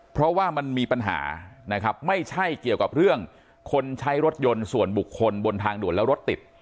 เพราะว่ามันมีปัญหานะครับไม่ใช่เกี่ยวกับเรื่องคนใช้รถยนต์ส่วนบุคคลบนทางด่วนแล้วรถติด